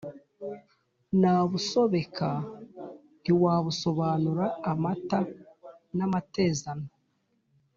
Nabusobeka ntiwabusobanura-Amata n'amatezano.